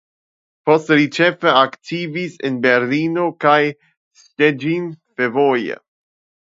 Poste li ĉefe aktivis en Berlino kaj Szczecin fervoje.